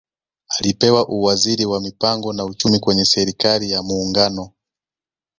Alipewa uwaziri wa Mipango na Uchumi kwenye Serikali ya Muungano